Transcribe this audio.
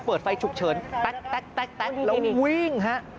เปิดไฟฉุกเฉินแต๊กแล้ววิ่งฮะ